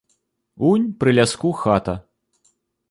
Унь пры ляску хата.